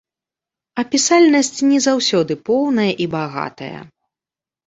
Апісальнасць не заўсёды поўная і багатая.